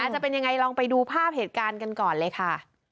จะเป็นยังไงลองไปดูภาพเหตุการณ์กันก่อนเลยค่ะ